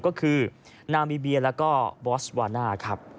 ก็คือนามีเบียและบอสวาน่า